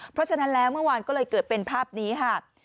เพราะฉะนั้นแล้วเมื่อวานก็เลยเกิดเป็นภาพนี้ค่ะ